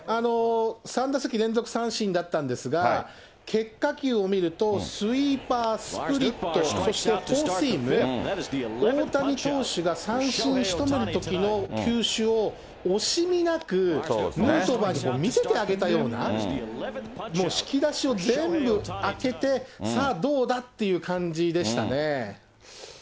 ３打席連続三振だったんですが、結果球を見ると、スイーパー、スプリット、そしてフォーシーム、大谷投手が三振しとめるときの球種を惜しみなくヌートバーに見せてあげたような、もう引き出しを全部開けて、さあ、どうだっていう感じでしたね。